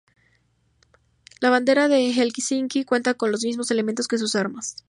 La bandera de Helsinki cuenta con los mismos elementos que sus armas.